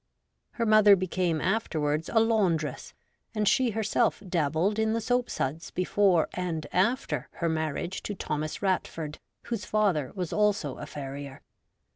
Her mother became afterwards a laundress, and she herself dabbled in the soapsuds before and after her marriage to Thomas Ratford, whose father was also a farrier.